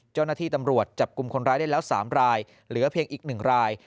เจ้าหน้าที่ตำรวจจับกลุ่มคนร้ายได้แล้ว๓รายเหลือเพียงอีก๑ราย